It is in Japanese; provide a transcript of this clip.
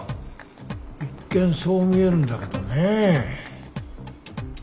一見そう見えるんだけどねえ。